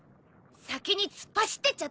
先に突っ走ってっちゃったわ。